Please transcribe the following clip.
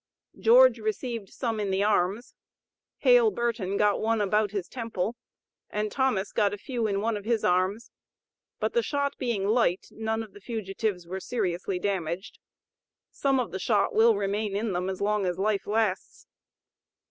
George received some in the arms, Hale Burton got one about his temple, and Thomas got a few in one of his arms; but the shot being light, none of the fugitives were seriously damaged. Some of the shot will remain in them as long as life lasts.